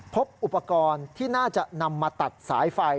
พบอุปกรณ์ที่น่าจะนำมาตัดสายไฟ